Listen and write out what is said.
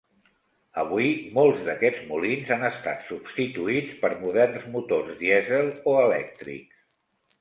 Avui molts d'aquests molins han estat substituïts per moderns motors dièsel o elèctrics.